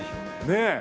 ねえ。